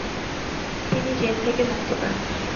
তিনি জেল থেকে মুক্তি পান।